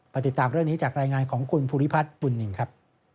ติดตามเรื่องนี้จากรายงานของคุณภูริพัฒน์บุญนินครับ